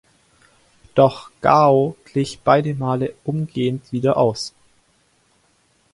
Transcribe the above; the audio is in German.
Doch Gao glich beide Male umgehend wieder aus.